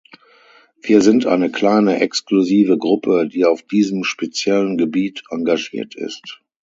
Wir sind eine kleine, exklusive Gruppe, die auf diesem speziellen Gebiet engagiert ist.